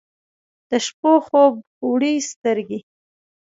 د شپو خوب وړي سترګې